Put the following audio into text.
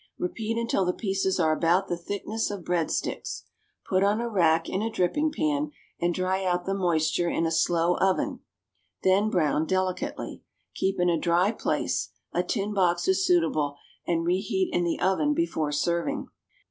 Repeat until the pieces are about the thickness of breadsticks. Put on a rack in a dripping pan, and dry out the moisture in a slow oven; then brown delicately. Keep in a dry place (a tin box is suitable) and reheat in the oven before serving.